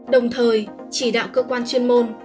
đồng thời chỉ đạo cơ quan chuyên môn